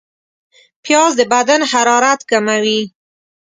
پیاز د بدن حرارت کموي